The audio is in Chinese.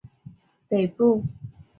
古培雷火山遗骸目前仍在火山北部。